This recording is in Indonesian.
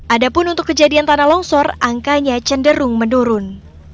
adapun untuk kejadian tanah longsor angkanya cenderung menurun